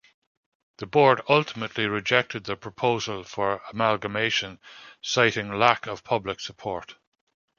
The board ultimately rejected the proposal for amalgamation, citing lack of public support.